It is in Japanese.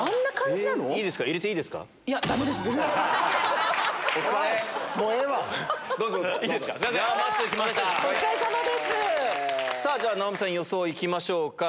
じゃ直美さん予想行きましょうか。